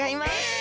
え！